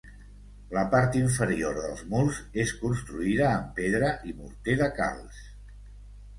La part inferior dels murs és construïda amb pedra i morter de calç.